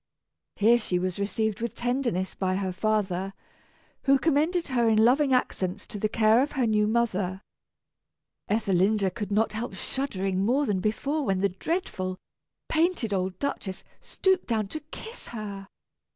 Here she was received with tenderness by her father, who commended her in loving accents to the care of her new mother. Ethelinda could not help shuddering more than before when the dreadful, painted old Duchess stooped down to kiss her.